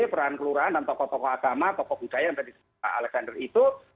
peran kelurahan dan tokoh tokoh agama tokoh budaya yang tadi pak alexander itu